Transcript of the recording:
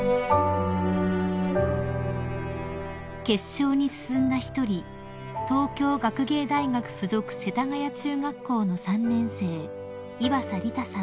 ［決勝に進んだ一人東京学芸大学附属世田谷中学校の３年生］